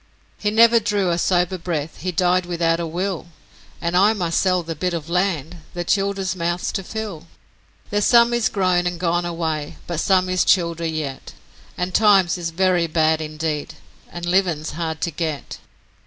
'He never drew a sober breath, he died without a will, And I must sell the bit of land the childer's mouths to fill. There's some is grown and gone away, but some is childer yet, And times is very bad indeed a livin's hard to get.